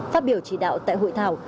phát biểu chỉ đạo tại hội thảo